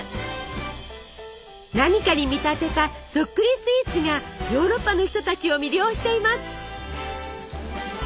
何かに見立てた「そっくりスイーツ」がヨーロッパの人たちを魅了しています。